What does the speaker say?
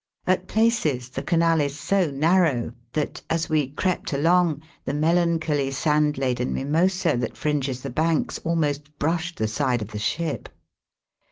At places the Canal is so narrow that, as we crept along, the melancholy sandladen mimosa that fringes the banks almost brushed the side of the ship.